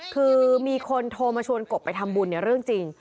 คือมีคนโทรมาชวนกบไปทำบุญเนี่ยเรื่องจริง